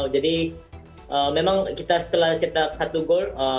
jadi setelah kita menang satu gol